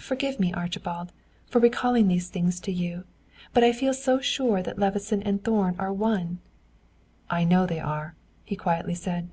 Forgive me, Archibald, for recalling these things to you, but I feel so sure that Levison and Thorn are one." "I know they are," he quietly said.